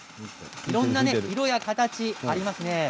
いろんな色や形になりますね。